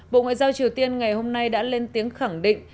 bộ ngoại giao triều tiên ngày hôm nay đã lên tiếng khẳng định